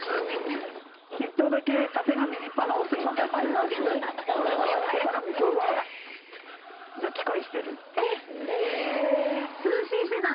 １頭だけ、たてがみ、立派なオスがいません？